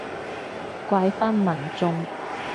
怪返民眾